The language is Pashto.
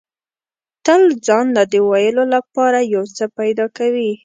تل ځان له د ویلو لپاره یو څه پیدا کوي.